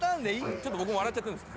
ちょっと僕も笑っちゃってるんです。